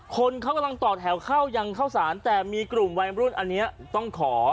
คนเขากำลังต่อแถวเข้ายังเข้าสารแต่มีกลุ่มวัยรุ่นอันนี้ต้องขอ